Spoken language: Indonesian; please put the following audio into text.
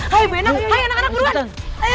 hai anak anak buruan